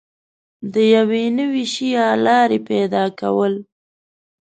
د یو نوي شي یا لارې پیدا کول